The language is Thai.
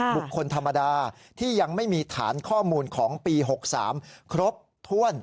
บุคคลธรรมดาที่ยังไม่มีฐานข้อมูลของปี๖๓ครบถ้วน